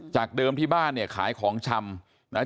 จากเดิมที่บ้านขายของชำ